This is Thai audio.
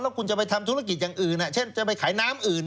คุณจะไปทำธุรกิจอย่างอื่นเช่นจะไปขายน้ำอื่น